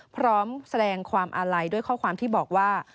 พร้อมแสดงความอาลัยด้วยข้อความที่บอกว่า